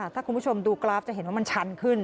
ถ้าคุณผู้ชมดูกราฟจะเห็นว่ามันชันขึ้น